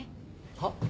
はっ！？